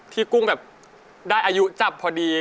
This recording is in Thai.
ที่กุ้งได้อายุจับพอดี